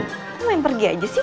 kenapa main pergi aja sih